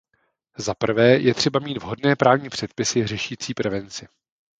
Zaprvé je třeba mít vhodné právní předpisy řešící prevenci.